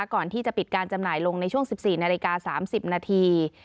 ก่อนที่จะปิดการจำหน่ายลงในช่วง๑๔นาฬิกา๓๐นาที